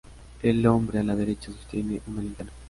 El hombre a la derecha sostiene una linterna.